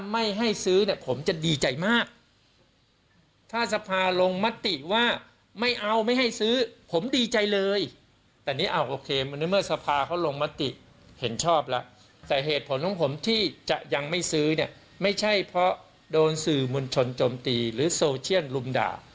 ไม่ใช่เพราะโดนสื่อมุญชนจมตีหรือโซเชียนลุมด่า